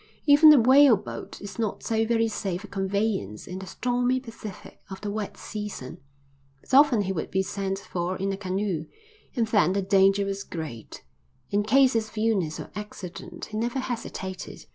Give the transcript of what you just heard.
Even the whaleboat is not so very safe a conveyance in the stormy Pacific of the wet season, but often he would be sent for in a canoe, and then the danger was great. In cases of illness or accident he never hesitated.